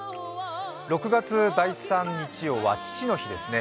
６月第３日曜は父の日ですね。